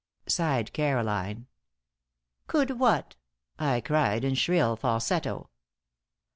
sighed Caroline. "Could what?" I cried, in shrill falsetto.